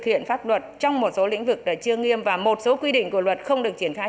hiện pháp luật trong một số lĩnh vực đã chưa nghiêm và một số quy định của luật không được triển khai